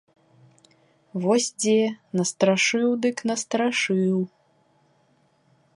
Вось дзе настрашыў дык настрашыў!